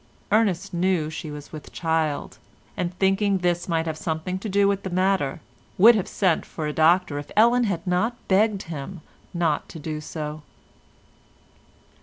Ernest knew she was with child, and thinking this might have something to do with the matter, would have sent for a doctor if Ellen had not begged him not to do so.